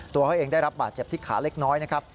ตัวเขาเองได้รับบาดเจ็บที่ขาเล็กน้อยนะครับ